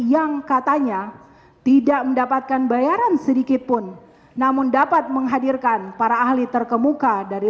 yang katanya tidak mendapatkan bayaran sedikitpun namun dapat menghadirkan para ahli terkemuka dari